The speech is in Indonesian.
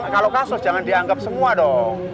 kalau kasus jangan dianggap semua dong